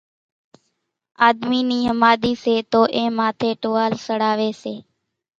آۮمي نِي ۿماۮِي سي تو اين ماٿيَ ٽوال سڙاوي سي